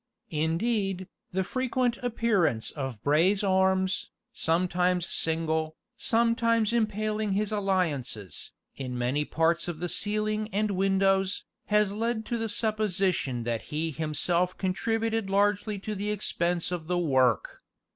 Indeed, the frequent appearance of Bray's arms, sometimes single, sometimes impaling his alliances, in many parts of the ceiling and windows, has led to the supposition that he himself contributed largely to the expense of the work.